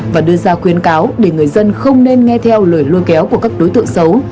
và đưa ra khuyến cáo để người dân không nên nghe theo lời lôi kéo của các đối tượng xấu